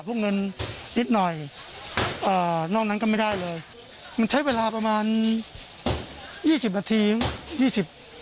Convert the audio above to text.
เงินนิดหน่อยอ่านอกนั้นก็ไม่ได้เลยมันใช้เวลาประมาณยี่สิบนาทียี่สิบ